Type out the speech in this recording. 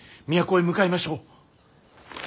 都へ向かいましょう。